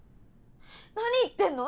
何言ってんの？